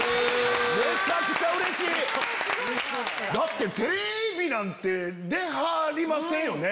めちゃくちゃうれしい！だって。